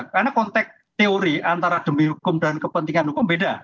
karena konteks teori antara demi hukum dan kepentingan hukum beda